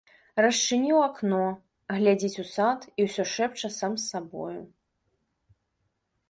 Расчыніў акно, глядзіць у сад і ўсё шэпча сам з сабою.